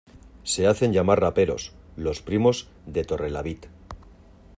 Se hacen llamar raperos, los primos de Torrelavit.